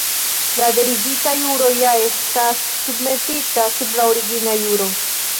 La derivita juro ja estas submetita sub la origina juro.